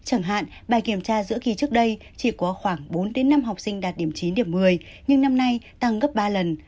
chẳng hạn bài kiểm tra giữa kỳ trước đây chỉ có khoảng bốn năm học sinh đạt điểm chín điểm một mươi nhưng năm nay tăng gấp ba lần